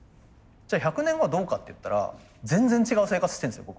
じゃあ１００年後はどうかっていったら全然違う生活してるんですよ